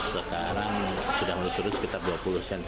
sekarang sudah melusuri sekitar dua puluh cm